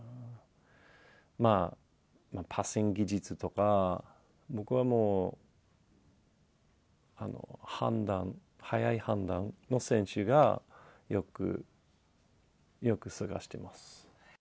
まあ、パッシング技術とか、僕はもう、判断、早い判断の選手がよく、よく探してます。